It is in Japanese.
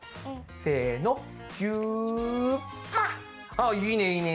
あっいいねいいね！